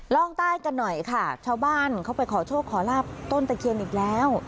ร่องใต้กันหน่อยค่ะชาวบ้านเขาไปขอโชคขอลาบต้นตะเคียนอีกแล้ว